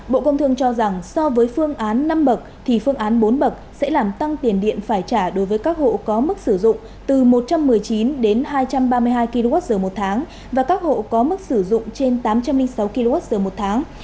bộ công thương cho rằng so với phương án năm bậc thì phương án bốn bậc sẽ làm tăng tiền điện phải trả đối với các hộ có mức sử dụng từ một trăm một mươi chín đến hai trăm ba mươi hai kwh một tháng và các hộ có mức sử dụng trên tám trăm linh sáu kwh một tháng